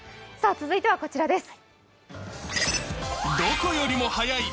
続いてはこちらです。